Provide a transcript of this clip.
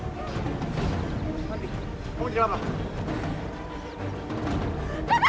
hanyalah time confident lorentz atau temanan